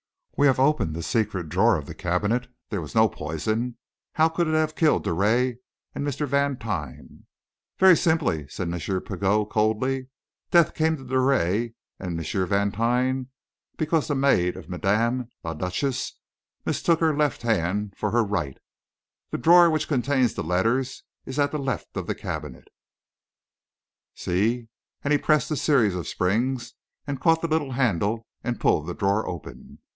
We have opened the secret drawer of the cabinet there was no poison. How could it have killed Drouet and Mr. Vantine?" "Very simply," said M. Pigot, coldly. "Death came to Drouet and M. Vantine because the maid of Madame la Duchesse mistook her left hand for her right. The drawer which contained the letters is at the left of the cabinet see," and he pressed the series of springs, caught the little handle, and pulled the drawer open.